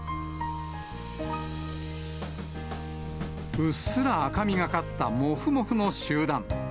うっすら赤みがかったもふもふの集団。